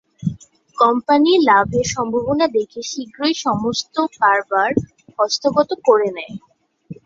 Company লাভের সম্ভাবনা দেখে শীঘ্রই সমস্ত কারবার হস্তগত করে নেয়।